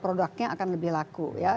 produknya akan lebih laku ya